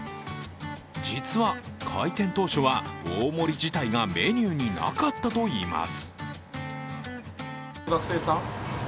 実は開店当初は大盛り自体がメニューになかったといいます。